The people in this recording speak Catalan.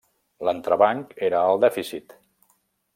L'entrebanc era el dèficit.